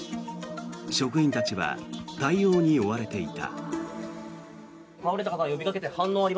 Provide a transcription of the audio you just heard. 職員たちは対応に追われていた。